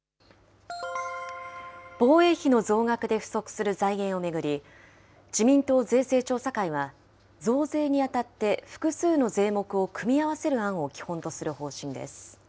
防衛費の増額で不足する財源を巡り、自民党税制調査会は、増税に当たって複数の税目を組み合わせる案を基本とする方針です。